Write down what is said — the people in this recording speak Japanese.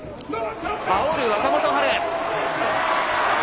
あおる若元春。